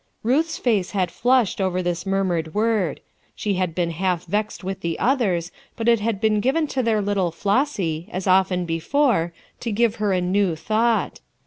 Ruth's face had flushed over this murmured word. She had been half vexed with the others, but it had been given to their little Flossy, as often before, to give her a new thought.